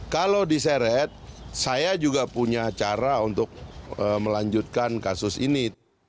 kalau diseret saya juga punya cara untuk melanjutkan kasus ini